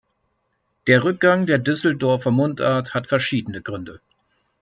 Der Rückgang der Düsseldorfer Mundart hat verschiedene Gründe.